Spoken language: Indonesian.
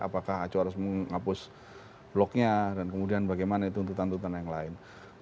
apakah aco harus menghapus bloknya dan kemudian bagaimana itu tuntutan tuntutan yang lain